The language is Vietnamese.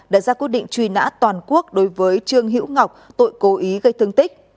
đã ra quyết định truy nã toàn quốc đối với trương hữu ngọc tội cố ý gây thương tích